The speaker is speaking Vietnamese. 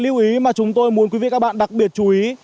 đó là cái lưu ý mà chúng tôi muốn quý vị các bạn đặc biệt chú ý